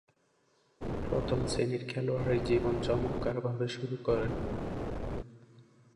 প্রথম-শ্রেণীর খেলোয়াড়ী জীবন চমৎকারভাবে শুরু করেন।